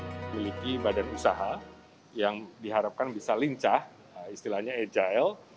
memiliki badan usaha yang diharapkan bisa lincah istilahnya agil